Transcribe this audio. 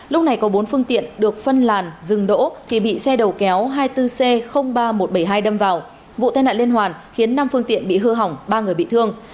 lúc này có bốn phương tiện được phân làn dừng đỗ thì bị xe đầu kéo hai mươi bốn c ba nghìn một trăm bảy mươi hai đâm vào vụ tai nạn liên hoàn khiến năm phương tiện bị hư hỏng ba người bị thương